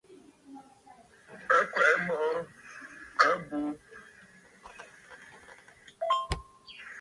À kwɛ̀ʼɛ mɔʼɔ àbu tɨgə̀ ŋ̀kɔʼɔ ŋwò ghu atu ntɨgə mfuʼu buu.